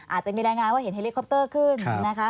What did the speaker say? อาจจะมีรายงานว่าเห็นเฮลิคอปเตอร์ขึ้นนะคะ